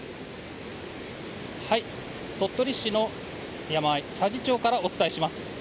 鳥取市の山あい佐治町からお伝えします。